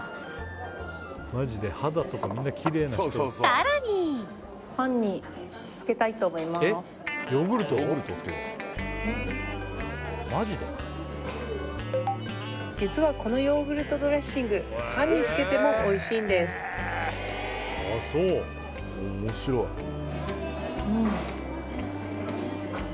さらに実はこのヨーグルトドレッシングパンにつけてもおいしいんですうん！